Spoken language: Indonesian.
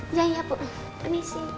iya iya bu permisi